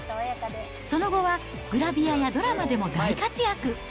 その後は、グラビアやドラマでも大活躍。